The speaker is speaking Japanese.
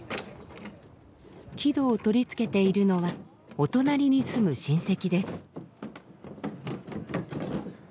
木戸を取り付けているのはお隣に住む親戚です。